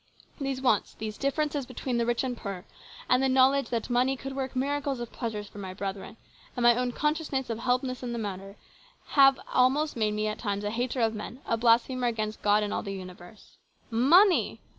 These wants, these differences between the rich and the poor, and the knowledge that money could work miracles of pleasure for my brethren, and my own consciousness of helplessness in the matter, have almost made me at times a hater of men, a blasphemer against God and all the universe. Money